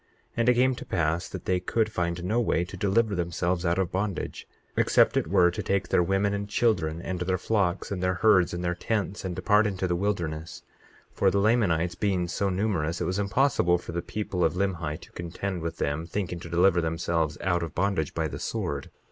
22:2 And it came to pass that they could find no way to deliver themselves out of bondage, except it were to take their women and children, and their flocks, and their herds, and their tents, and depart into the wilderness; for the Lamanites being so numerous, it was impossible for the people of Limhi to contend with them, thinking to deliver themselves out of bondage by the sword.